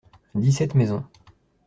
Dix-sept maisons.